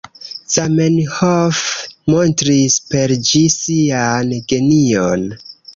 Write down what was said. Zamenhof montris per ĝi sian genion.